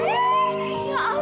eh ya allah pak elvi